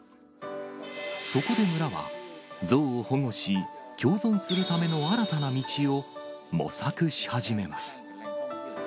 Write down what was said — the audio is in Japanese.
そこで村は、ゾウを保護し、共存するための新たな道を、模索し始めます。